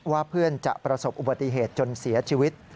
ว่าเพื่อนจะประสบอุบัติเหตุจนเสียชีวิต